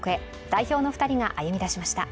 代表の２人が歩みだしました。